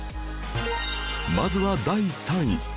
まずは第３位